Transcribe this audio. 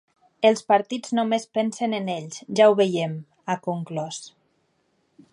Els partits només pensen en ells, ja ho veiem, ha conclòs.